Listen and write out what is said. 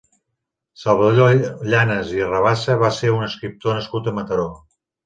Salvador Llanas i Rabassa va ser un escriptor nascut a Mataró.